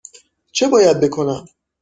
چه باید بکنم؟